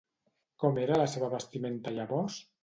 Com era la seva vestimenta llavors?